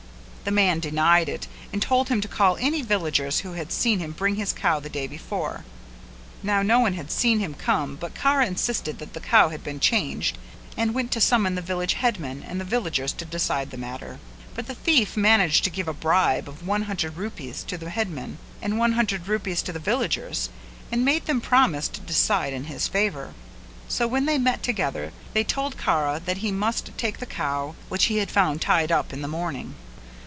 The man denied it and told him to call any villagers who had seen him bring his cow the day before; now no one had seen him come but Kara insisted that the cow had been changed and went to summon the village headman and the villagers to decide the matter: but the thief managed to give a bribe of one hundred rupees to the headman and one hundred rupees to the villagers and made them promise to decide in his favour; so when they met together they told Kara that he must take the cow which he had found tied up in the morning.